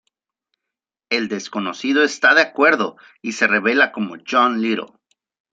El desconocido está de acuerdo y se revela como John Little.